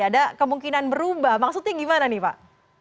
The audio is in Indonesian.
ada kemungkinan berubah maksudnya gimana nih pak